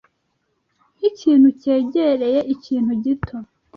Nkikintu cyegereye ikintu gito